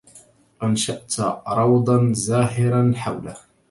أنشأتَ روضاً زاهراً حَولَهُ